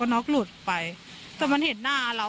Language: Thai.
ทำไมคงคืนเขาว่าทำไมคงคืนเขาว่า